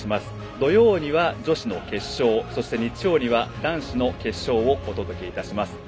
土曜には、女子の決勝そして、日曜には男子の決勝をお届けいたします。